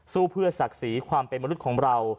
สู้เพื่อศักดิ์ศรีความเป็นมนุษย์ของเรา